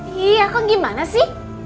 ih aku gimana sih